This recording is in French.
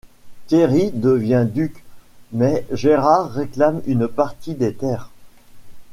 Thierry devient duc, mais Gérard réclame une partie des terres.